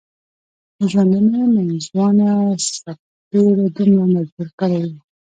د ژوندانه ناځوانه څپېړو دومره مجبور کړی و.